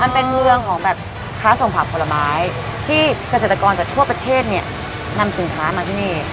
มันเป็นเมืองของแบบค้าส่งผักผลไม้ที่เกษตรกรจากทั่วประเทศเนี่ยนำสินค้ามาที่นี่